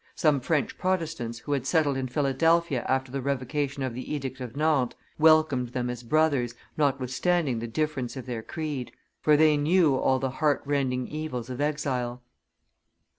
Some French Protestants, who had settled in Philadelphia after the revocation of the edict of Nantes, welcomed them as brothers, notwithstanding the difference of their creed; for they knew all the heart rending evils of exile.